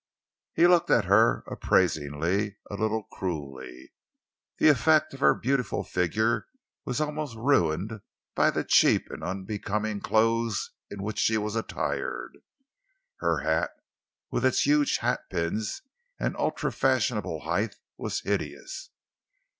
He looked at her appraisingly, a little cruelly. The effect of her beautiful figure was almost ruined by the cheap and unbecoming clothes in which she was attired. Her hat, with its huge hatpins and ultra fashionable height, was hideous.